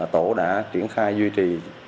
tổ đã triển khai duy trì